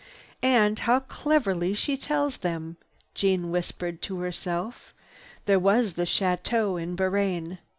"And how cleverly she tells them!" Jeanne whispered to herself. "There was the Chateau Buraine.